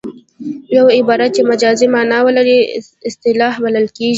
یو عبارت چې مجازي مانا ولري اصطلاح بلل کیږي